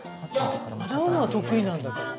洗うのは得意なんだから。